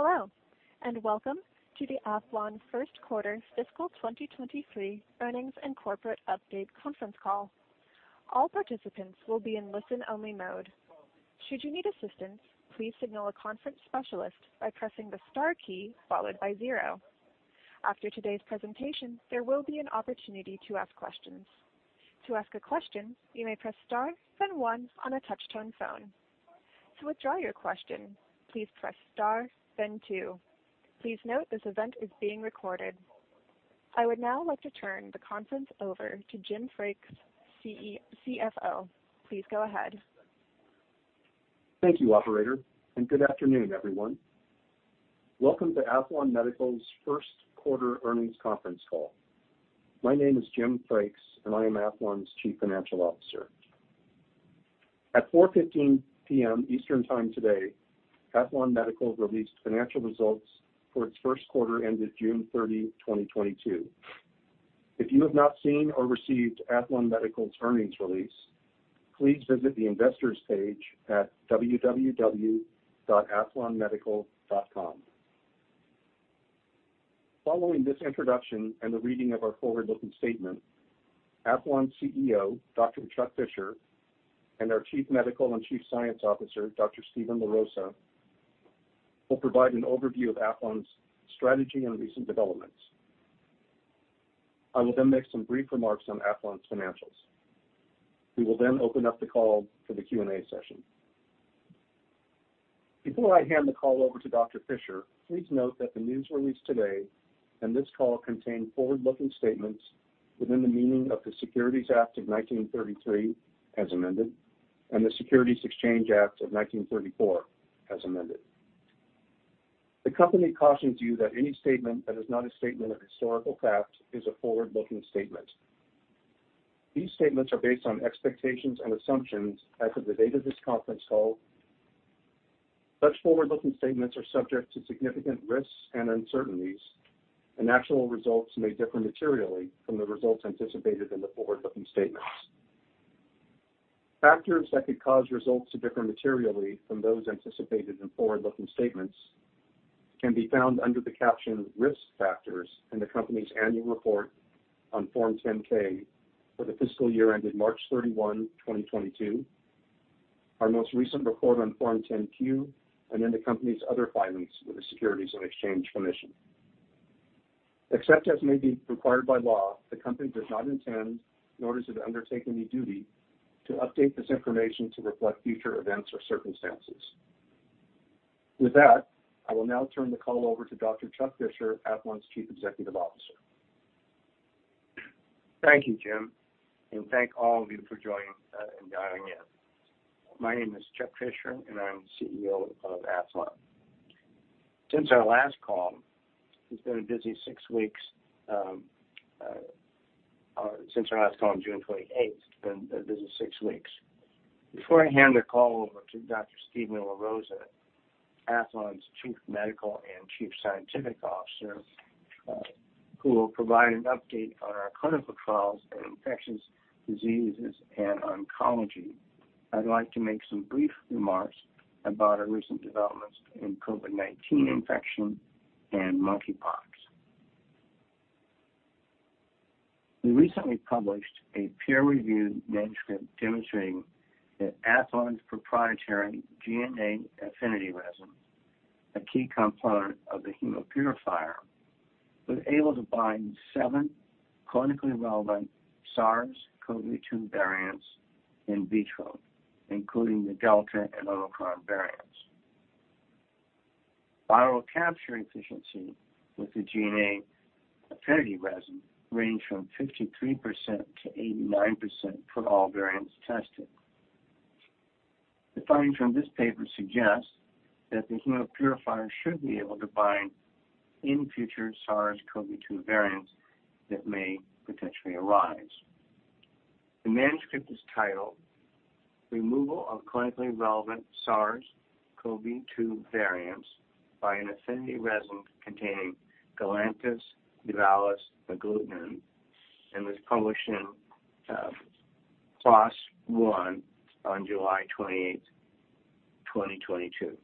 Hello, and welcome to the Aethlon first quarter fiscal 2023 earnings and corporate update conference call. All participants will be in listen-only mode. Should you need assistance, please signal a conference specialist by pressing the star key followed by zero. After today's presentation, there will be an opportunity to ask questions. To ask a question, you may press star then one on a touch-tone phone. To withdraw your question, please press star then two. Please note this event is being recorded. I would now like to turn the conference over to Jim Frakes, CFO. Please go ahead. Thank you, operator, and good afternoon, everyone. Welcome to Aethlon Medical's first quarter earnings conference call. My name is Jim Frakes, and I am Aethlon's Chief Financial Officer. At 4:15 P.M. Eastern Time today, Aethlon Medical released financial results for its first quarter ended June 30, 2022. If you have not seen or received Aethlon Medical's earnings release, please visit the investors page at www.aethlonmedical.com. Following this introduction and the reading of our forward-looking statement, Aethlon CEO, Dr. Chuck Fisher, and our Chief Medical and Chief Science Officer, Dr. Steven LaRosa, will provide an overview of Aethlon's strategy and recent developments. I will then make some brief remarks on Aethlon's financials. We will then open up the call for the Q&A session. Before I hand the call over to Dr. Fisher, please note that the news release today and this call contain forward-looking statements within the meaning of the Securities Act of 1933, as amended, and the Securities Exchange Act of 1934, as amended. The company cautions you that any statement that is not a statement of historical fact is a forward-looking statement. These statements are based on expectations and assumptions as of the date of this conference call. Such forward-looking statements are subject to significant risks and uncertainties, and actual results may differ materially from the results anticipated in the forward-looking statements. Factors that could cause results to differ materially from those anticipated in forward-looking statements can be found under the caption Risk Factors in the company's annual report on Form 10-K for the fiscal year ended March 31, 2022, our most recent report on Form 10-Q, and in the company's other filings with the Securities and Exchange Commission. Except as may be required by law, the Company does not intend nor does it undertake any duty to update this information to reflect future events or circumstances. With that, I will now turn the call over to Dr. Chuck Fisher, Aethlon's Chief Executive Officer. Thank you, Jim, and thank all of you for joining and dialing in. My name is Chuck Fisher, and I'm CEO of Aethlon. Since our last call on June 28th, it's been a busy six weeks. Before I hand the call over to Dr. Steven LaRosa, Aethlon's Chief Medical and Chief Scientific Officer, who will provide an update on our clinical trials in infectious diseases and oncology, I'd like to make some brief remarks about our recent developments in COVID-19 infection and monkeypox. We recently published a peer-reviewed manuscript demonstrating that Aethlon's proprietary GNA affinity resin, a key component of the Hemopurifier, was able to bind 7 clinically relevant SARS-CoV-2 variants in vitro, including the Delta and Omicron variants. Viral capture efficiency with the GNA affinity resin ranged from 53%-89% for all variants tested. The findings from this paper suggest that the Hemopurifier should be able to bind any future SARS-CoV-2 variants that may potentially arise. The manuscript is titled Removal of Clinically Relevant SARS-CoV-2 Variants by an Affinity Resin Containing Galanthus nivalis Agglutinin, and was published in PLOS One on July 28, 2022.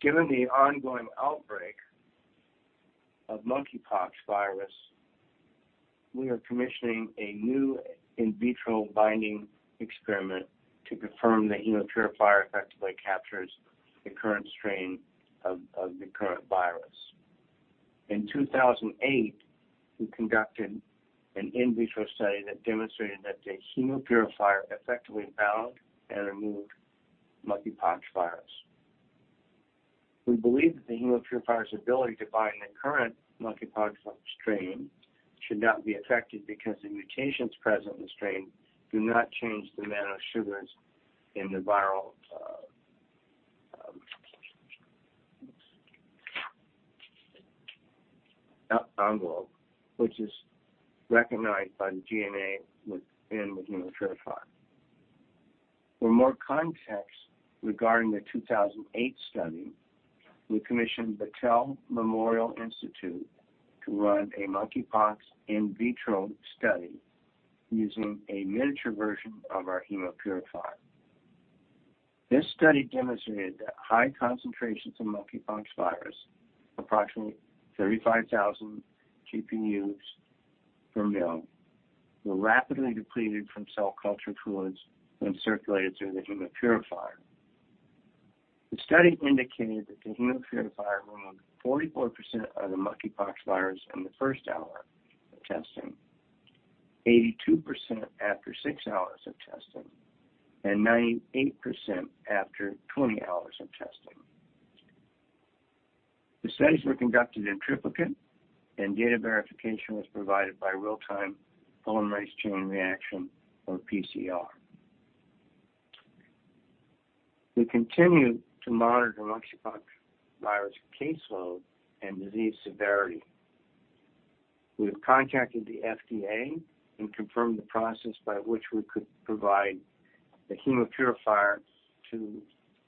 Given the ongoing outbreak of monkeypox virus, we are commissioning a new in vitro binding experiment to confirm that Hemopurifier effectively captures the current strain of the current virus. In 2008, we conducted an in vitro study that demonstrated that the Hemopurifier effectively bound and removed monkeypox virus. We believe that the Hemopurifier's ability to bind the current monkeypox strain should not be affected because the mutations present in the strain do not change the amount of sugars in the viral envelope, which is recognized by the GNA within the Hemopurifier. For more context regarding the 2008 study. We commissioned Battelle Memorial Institute to run a monkeypox in vitro study using a miniature version of our Hemopurifier. This study demonstrated that high concentrations of monkeypox virus, approximately 35,000 TPUs per mL, were rapidly depleted from cell culture fluids when circulated through the Hemopurifier. The study indicated that the Hemopurifier removed 44% of the monkeypox virus in the first hour of testing, 82% after 6 hours of testing, and 98% after 20 hours of testing. The studies were conducted in triplicate, and data verification was provided by real-time polymerase chain reaction, or PCR. We continue to monitor monkeypox virus caseload and disease severity. We have contacted the FDA and confirmed the process by which we could provide the Hemopurifier to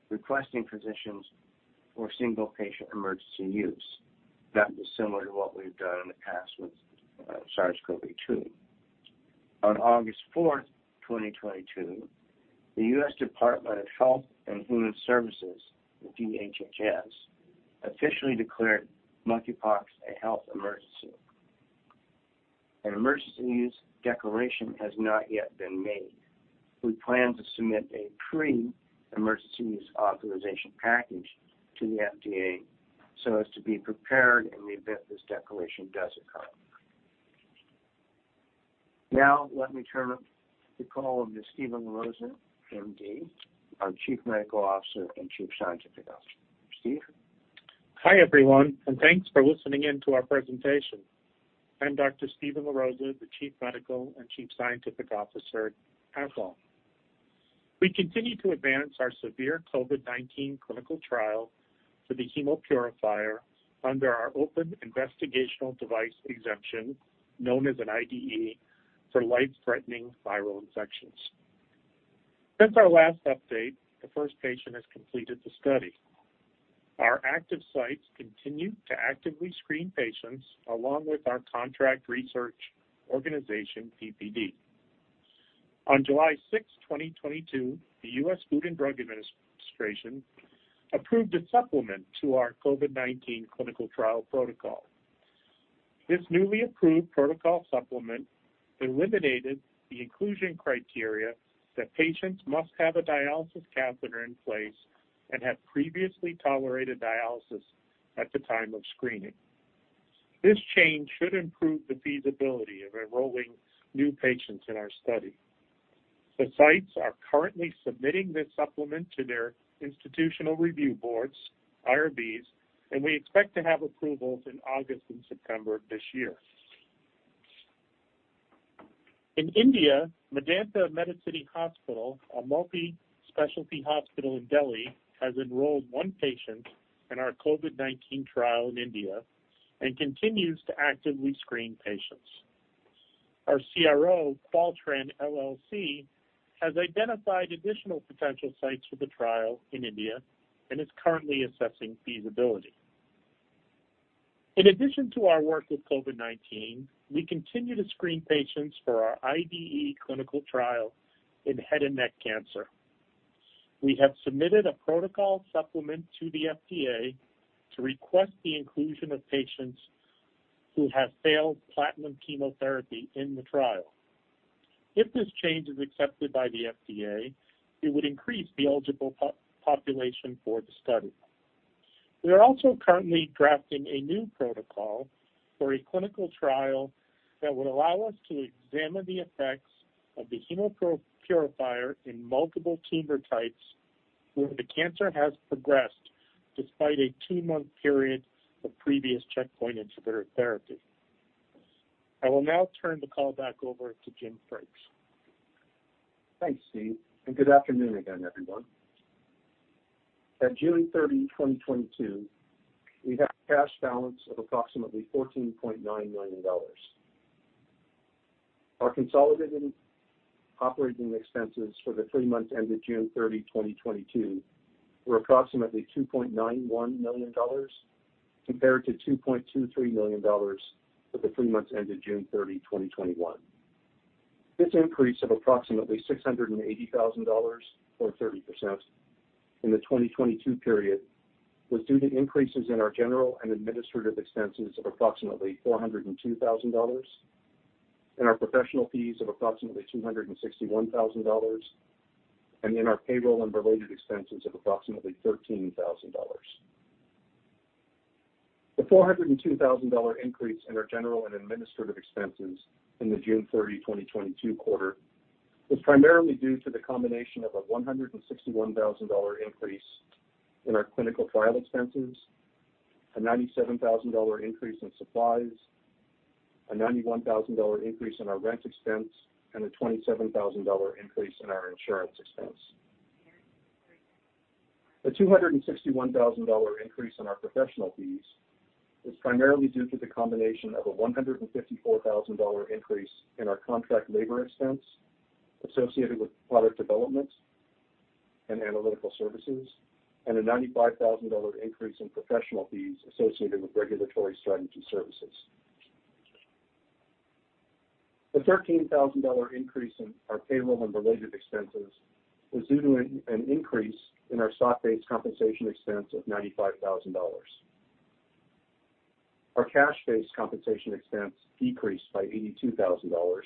requesting physicians for single patient emergency use. That is similar to what we've done in the past with SARS-CoV-2. On August 4, 2022, the U.S. Department of Health and Human Services, or HHS, officially declared monkeypox a health emergency. An emergency use declaration has not yet been made. We plan to submit a pre-emergency use authorization package to the FDA so as to be prepared in the event this declaration does occur. Now let me turn the call to Steven LaRosa, MD, our Chief Medical Officer and Chief Scientific Officer. Steve. Hi, everyone, and thanks for listening in to our presentation. I'm Dr. Steven LaRosa, the Chief Medical and Chief Scientific Officer at Aethlon Medical. We continue to advance our severe COVID-19 clinical trial for the Hemopurifier under our open investigational device exemption, known as an IDE, for life-threatening viral infections. Since our last update, the first patient has completed the study. Our active sites continue to actively screen patients along with our contract research organization, PPD. On July 6, 2022, the U.S. Food and Drug Administration approved a supplement to our COVID-19 clinical trial protocol. This newly approved protocol supplement eliminated the inclusion criteria that patients must have a dialysis catheter in place and have previously tolerated dialysis at the time of screening. This change should improve the feasibility of enrolling new patients in our study. The sites are currently submitting this supplement to their institutional review boards, IRBs, and we expect to have approvals in August and September of this year. In India, Medanta Medicity Hospital, a multi-specialty hospital in Gurgaon, has enrolled one patient in our COVID-19 trial in India and continues to actively screen patients. Our CRO, Qualtran LLC, has identified additional potential sites for the trial in India and is currently assessing feasibility. In addition to our work with COVID-19, we continue to screen patients for our IDE clinical trial in head and neck cancer. We have submitted a protocol supplement to the FDA to request the inclusion of patients who have failed platinum chemotherapy in the trial. If this change is accepted by the FDA, it would increase the eligible population for the study. We are also currently drafting a new protocol for a clinical trial that would allow us to examine the effects of the Hemopurifier in multiple tumor types where the cancer has progressed despite a two-month period of previous checkpoint inhibitor therapy. I will now turn the call back over to Jim Frakes. Thanks, Steve, and good afternoon again, everyone. At June 30, 2022, we had a cash balance of approximately $14.9 million. Our consolidated operating expenses for the three months ended June 30, 2022, were approximately $2.91 million compared to $2.23 million for the three months ended June 30, 2021. This increase of approximately $680,000, or 30%, in the 2022 period was due to increases in our general and administrative expenses of approximately $402,000, in our professional fees of approximately $261,000, and in our payroll and related expenses of approximately $13,000. The $402,000 increase in our general and administrative expenses in the June 30, 2022 quarter was primarily due to the combination of a $161,000 increase in our clinical trial expenses, a $97,000 increase in supplies, a $91,000 increase in our rent expense, and a $27,000 increase in our insurance expense. The $261,000 increase in our professional fees is primarily due to the combination of a $154,000 increase in our contract labor expense associated with product development and analytical services, and a $95,000 increase in professional fees associated with regulatory strategy services. The $13,000 increase in our payroll and related expenses was due to an increase in our stock-based compensation expense of $95,000. Our cash-based compensation expense decreased by $82,000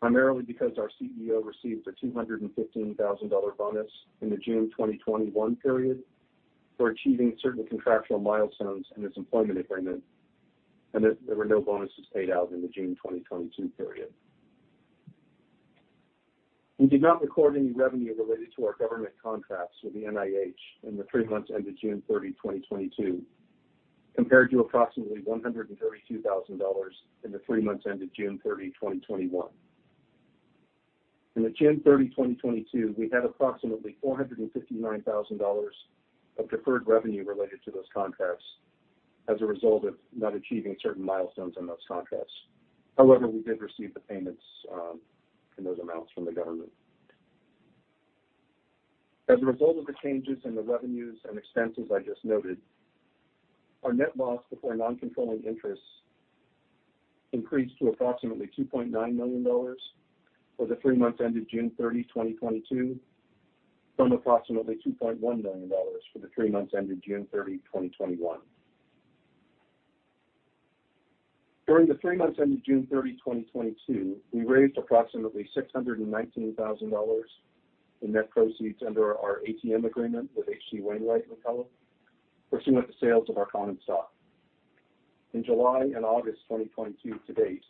primarily because our CEO received a $215,000 bonus in the June 2021 period for achieving certain contractual milestones in his employment agreement, and there were no bonuses paid out in the June 2022 period. We did not record any revenue related to our government contracts with the NIH in the three months ended June 30, 2022, compared to approximately $132,000 in the three months ended June 30, 2021. In the June 30, 2022, we had approximately $459,000 of deferred revenue related to those contracts as a result of not achieving certain milestones on those contracts. However, we did receive the payments in those amounts from the government. As a result of the changes in the revenues and expenses I just noted, our net loss before non-controlling interests increased to approximately $2.9 million for the three months ended June 30, 2022, from approximately $2.1 million for the three months ended June 30, 2021. During the three months ended June 30, 2022, we raised approximately $619,000 in net proceeds under our ATM Agreement with H.C. Wainwright & Co. pursuant to sales of our common stock. In July and August 2022 to date,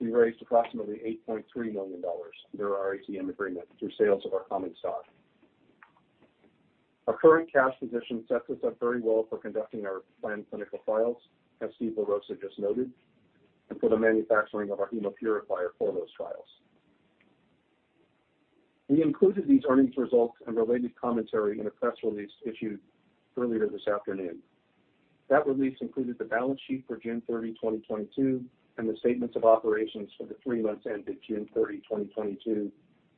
we raised approximately $8.3 million under our ATM agreement through sales of our common stock. Our current cash position sets us up very well for conducting our planned clinical trials, as Steven LaRosa just noted, and for the manufacturing of our Hemopurifier for those trials. We included these earnings results and related commentary in a press release issued earlier this afternoon. That release included the balance sheet for June 30, 2022, and the statements of operations for the three months ended June 30, 2022,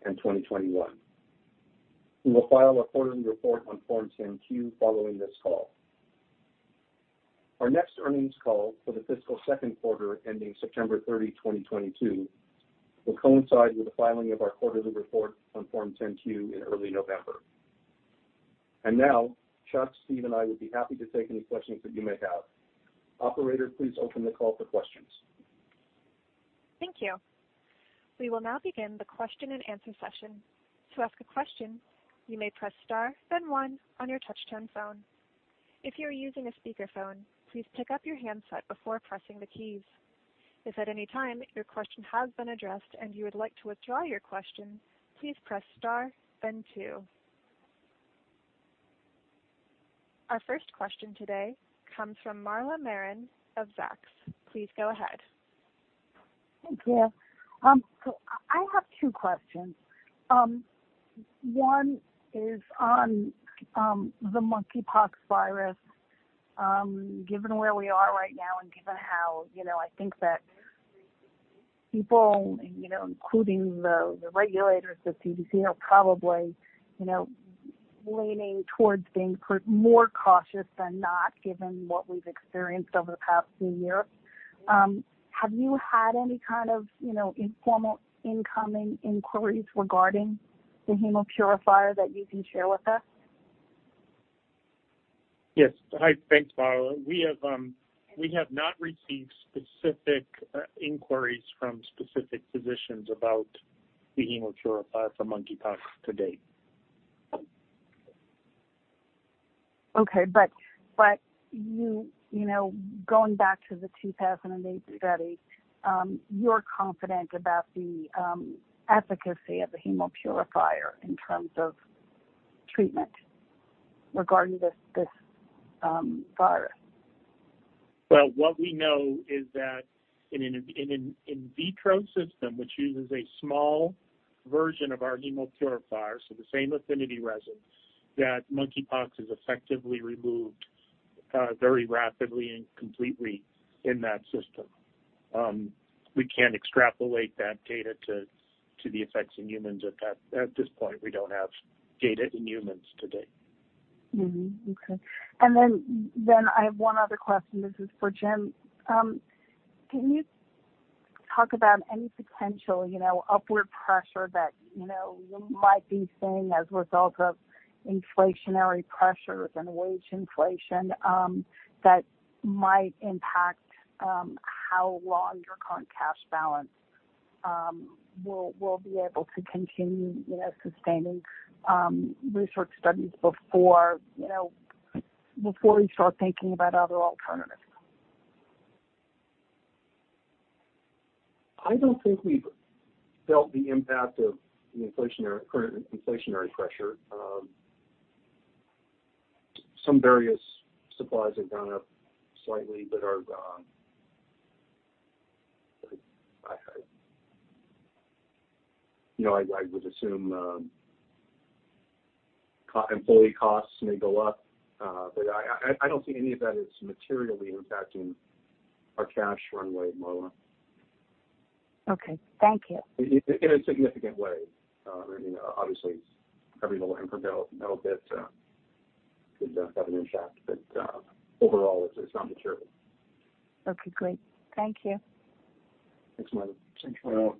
and 2021. We will file a quarterly report on Form 10-Q following this call. Our next earnings call for the fiscal second quarter ending September 30, 2022, will coincide with the filing of our quarterly report on Form 10-Q in early November. Now, Chuck, Steve, and I would be happy to take any questions that you may have. Operator, please open the call for questions. Thank you. We will now begin the question-and-answer session. To ask a question, you may press star then one on your touchtone phone. If you are using a speakerphone, please pick up your handset before pressing the keys. If at any time your question has been addressed and you would like to withdraw your question, please press star then two. Our first question today comes from Marla Marin of Zacks. Please go ahead. Thank you. I have two questions. One is on the monkeypox virus. Given where we are right now and given how, you know, I think that people, you know, including the regulators, the CDC, are probably, you know, leaning towards being more cautious than not given what we've experienced over the past few years, have you had any kind of, you know, informal incoming inquiries regarding the Hemopurifier that you can share with us? Yes. Hi. Thanks, Marla. We have not received specific inquiries from specific physicians about the Hemopurifier for monkeypox to date. Okay, you know, going back to the 2008 study, you're confident about the efficacy of the Hemopurifier in terms of treatment regarding this virus? Well, what we know is that in an in vitro system, which uses a small version of our Hemopurifier, so the same affinity resin, that monkeypox is effectively removed very rapidly and completely in that system. We can't extrapolate that data to the effects in humans at that. At this point, we don't have data in humans to date. Mm-hmm. Okay. I have one other question. This is for Jim. Can you talk about any potential, you know, upward pressure that, you know, you might be seeing as a result of inflationary pressures and wage inflation, that might impact, how long your current cash balance, will be able to continue, you know, sustaining, research studies before, you know, before we start thinking about other alternatives? I don't think we've felt the impact of the inflationary pressure. Some various supplies have gone up slightly, but you know, I would assume employee costs may go up. I don't think any of that is materially impacting our cash runway, Marla. Okay. Thank you. In a significant way. You know, obviously every little improvement, little bit, could have an impact, but overall it's not material. Okay, great. Thank you. Thanks, Marla. Thanks, Marla.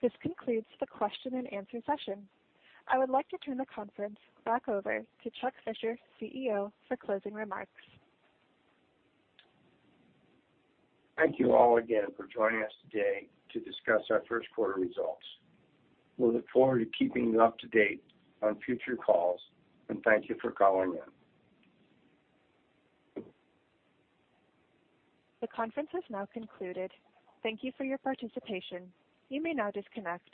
This concludes the question-and-answer session. I would like to turn the conference back over to Chuck Fisher, CEO, for closing remarks. Thank you all again for joining us today to discuss our first quarter results. We'll look forward to keeping you up to date on future calls, and thank you for calling in. The conference has now concluded. Thank you for your participation. You may now disconnect.